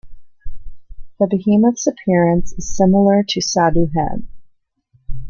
The Behemoth's appearance is similar to Sadu-Hem.